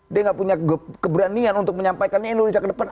dia nggak punya keberanian untuk menyampaikannya indonesia ke depan